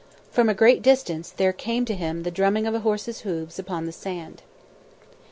From a great distance there came to him the drumming of a horse's hoofs upon the sand.